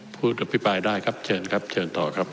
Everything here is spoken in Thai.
ผู้อภิปรายได้ครับเชิญครับเชิญต่อครับ